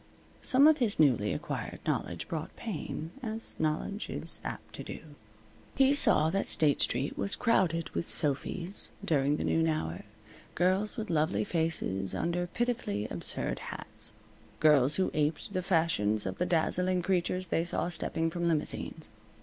Some of his newly acquired knowledge brought pain, as knowledge is apt to do. He saw that State Street was crowded with Sophys during the noon hour; girls with lovely faces under pitifully absurd hats. Girls who aped the fashions of the dazzling creatures they saw stepping from limousines.